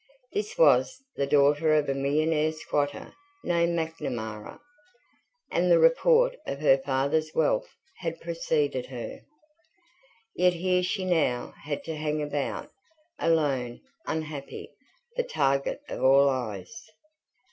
This was the daughter of a millionaire squatter named Macnamara; and the report of her father's wealth had preceded her. Yet here she now had to hang about, alone, unhappy, the target of all eyes.